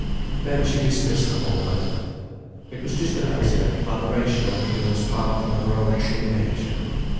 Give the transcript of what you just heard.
Then she dismissed the whole matter. It was just an accidental aberration on the girl's part from her own true nature.